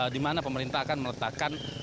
dimana pemerintah akan meletakkan